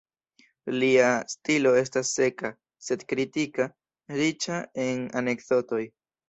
Lia stilo estas seka, sed kritika, riĉa en anekdotoj.